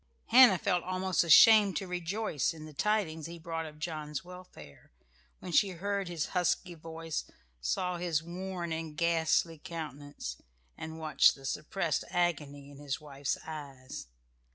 Hannah felt almost ashamed to rejoice in the tidings he brought of John's welfare, when she heard his husky voice, saw his worn and ghastly countenance, and watched the suppressed agony in his wife's eyes.